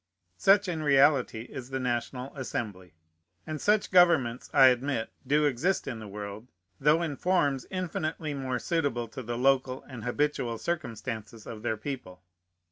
Such in reality is the National Assembly; and such governments, I admit, do exist in the world, though, in forms infinitely more suitable to the local and habitual circumstances of their people.